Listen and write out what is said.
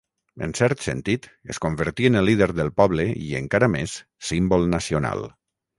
En cert sentit es convertí en el líder del poble i, encara més, símbol nacional.